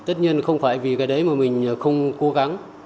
tất nhiên không phải vì cái đấy mà mình không cố gắng